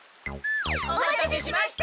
お待たせしました。